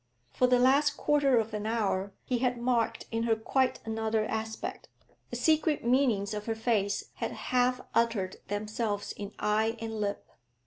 For the last quarter of an hour he had marked in her quite another aspect; the secret meanings of her face had half uttered themselves in eye and lip.